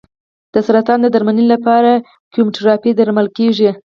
د سرطان د درملنې لپاره کیموتراپي درمل کارېږي.